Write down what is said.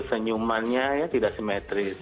senyumannya tidak simetris